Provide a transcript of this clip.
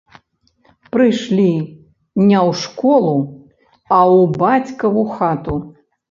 Прыйшлі не ў школу, а ў бацькаву хату.